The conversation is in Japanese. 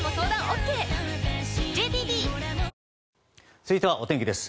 続いてはお天気です。